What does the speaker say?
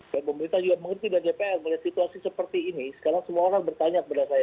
pemerintah juga mengerti dari dpr melihat situasi seperti ini sekarang semua orang bertanya kepada saya